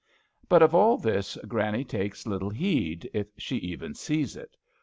But of all this Granny takes little heed, if she even sees it.